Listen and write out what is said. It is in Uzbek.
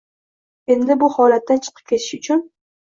endi bu holatdan chiqib ketish uchun